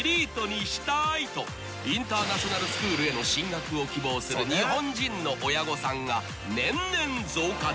［インターナショナルスクールへの進学を希望する日本人の親御さんが年々増加中］